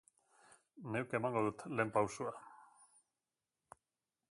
Neuk emango dut ehen pausua.